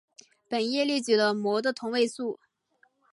本页列举了镆的同位素。